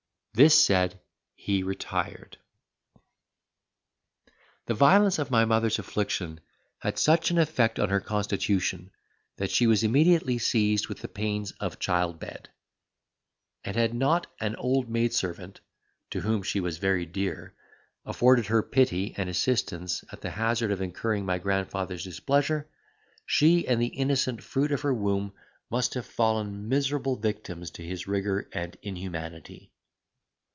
This said, he retired. The violence of my mother's affliction had such an effect on her constitution that she was immediately seized with the pains of childbed; and had not an old maidservant, to whom she was very dear, afforded her pity and assistance, at the hazard of incurring my grandfather's displeasure, she and the innocent fruit of her womb must have fallen miserable victims to his rigour and inhumanity.